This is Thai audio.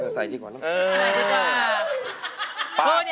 เออใส่ดีกว่านี่